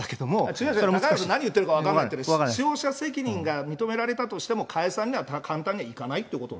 違う違う、何言ってるか分からないって、使用者責任が認められたとしても、解散には簡単にはいかないっていうこと。